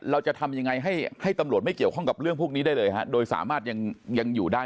เราจะทำยังไงให้ให้ตำรวจไม่เกี่ยวข้องกับเรื่องพวกนี้ได้เลยฮะโดยสามารถยังอยู่ได้